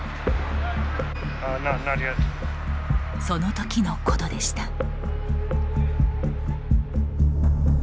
その時のことでした。